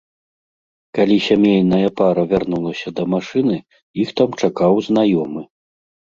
Калі сямейная пара вярнулася да машыны, іх там чакаў знаёмы.